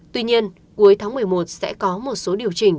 tuy nhiên cuối tháng một mươi một sẽ có một số điều chỉnh